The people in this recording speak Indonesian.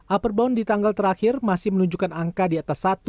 upperbound di tanggal terakhir masih menunjukkan angka di atas satu